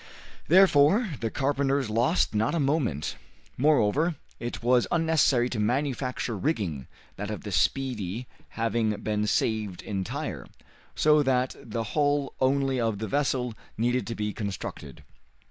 Therefore the carpenters lost not a moment. Moreover, it was unnecessary to manufacture rigging, that of the "Speedy" having been saved entire, so that the hull only of the vessel needed to be constructed.